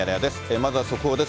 まずは速報です。